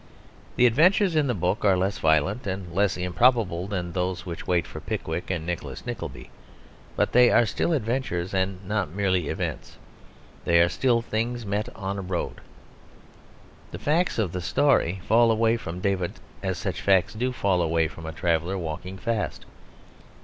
The adventures in the book are less violent and less improbable than those which wait for Pickwick and Nicholas Nickleby; but they are still adventures and not merely events; they are still things met on a road. The facts of the story fall away from David as such facts do fall away from a traveller walking fast.